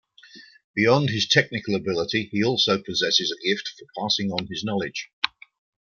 Beyond his technical ability, he also possesses a gift for passing on his knowledge.